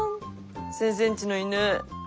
先生んちの犬。